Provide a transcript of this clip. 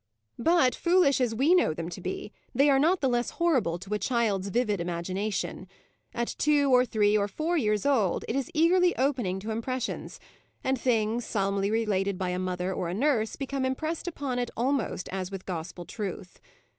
But, foolish as we know them to be, they are not the less horrible to a child's vivid imagination. At two, or three, or four years old, it is eagerly opening to impressions; and things, solemnly related by a mother or a nurse, become impressed upon it almost as with gospel truth.